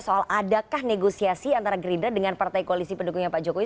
soal adakah negosiasi antara gerindra dengan partai koalisi pendukungnya pak jokowi